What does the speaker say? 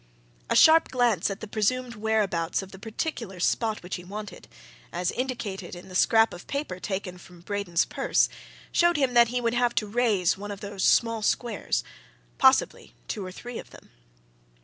A sharp glance at the presumed whereabouts of the particular spot which he wanted, as indicated in the scrap of paper taken from Braden's purse, showed him that he would have to raise one of those small squares possibly two or three of them.